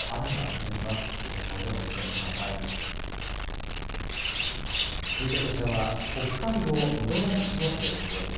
続いて、こちらは北海道室蘭市の様子です。